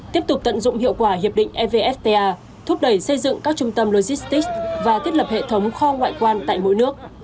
tiếp tục tận dụng hiệu quả hiệp định evfta thúc đẩy xây dựng các trung tâm logistics và thiết lập hệ thống kho ngoại quan tại mỗi nước